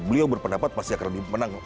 beliau berpendapat pasti akan dimenangkan